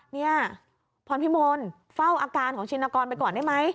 เนี่ยพรพิมลเฝ้าอาการของชินกรไปก่อนได้ไหม